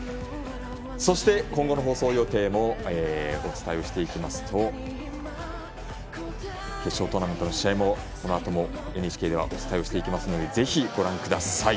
そして今後の放送予定もお伝えしていきますと決勝トーナメントの試合もこのあとＮＨＫではお伝えしていきますのでぜひご覧ください。